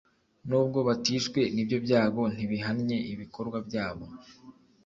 Nubwo batishwe n’ibyo byago ntibihannye ibikorwa byabo